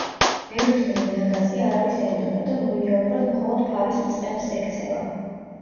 ბერძნული ნაგაზი არავის ენდობა და ლოიალურად მხოლოდ ფარის მწყემსს ექცევა.